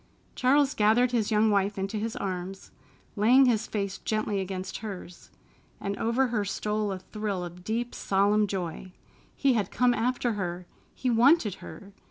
Charles gathered his young wife into his arms, laying his face gently against hers, and over her stole a thrill of deep, solemn joy. He had come after her! He wanted her!